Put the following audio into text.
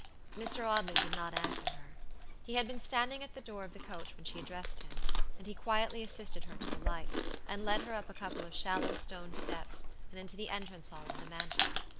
Mr. Audley did not answer her. He had been standing at the door of the coach when she addressed him, and he quietly assisted her to alight, and led her up a couple of shallow stone steps, and into the entrance hall of the mansion.